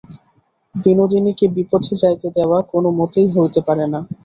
বিনোদিনীকে বিপথে যাইতে দেওয়া কোনোমতেই হইতে পারে না।